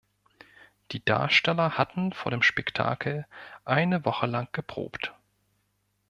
Die Darsteller hatten vor dem Spektakel eine Woche lang geprobt.